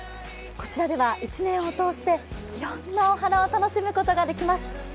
こちらでは１年を通していろんなお花を楽しむことができます。